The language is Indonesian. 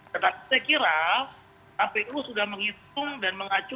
tetapi saya kira kpu sudah menghitung dan mengacu